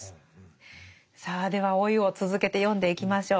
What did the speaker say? さあでは「老い」を続けて読んでいきましょう。